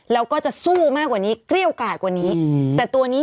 แล้วก็จะสู้มากกว่านี้เกรี้ยวก่ายกว่านี้